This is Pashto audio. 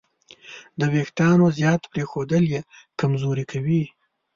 د وېښتیانو زیات پرېښودل یې کمزوري کوي.